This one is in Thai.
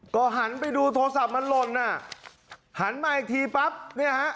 ก็หันไปดูโทรศัพท์มันหล่นน่ะหันมาอีกทีปั๊บเนี่ยฮะ